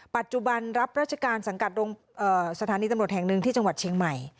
ปัจจุบันรับราชการสังกัดสถานีตำรวจแห่งหนึ่งที่จังหวัดเชียงใหม่